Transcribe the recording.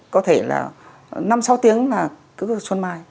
có thể là năm sáu tiếng là cứ vào xuân mai